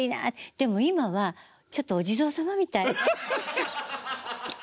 でも今はちょっとお地蔵様みたい。